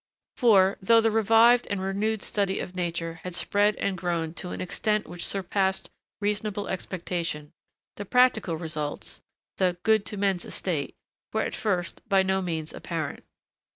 For, though the revived and renewed study of nature had spread and grown to an extent which surpassed reasonable expectation, the practical results the 'good to men's estate' were, at first, by no means apparent.